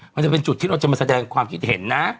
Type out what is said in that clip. มันจะเป็นจุดที่เราจะมาแสดงความคิดเห็นนะ